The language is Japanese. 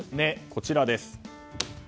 こちらです。